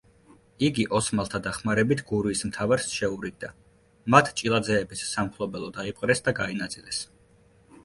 იგი ოსმალთა დახმარებით გურიის მთავარს შეურიგდა; მათ ჭილაძეების სამფლობელო დაიპყრეს და გაინაწილეს.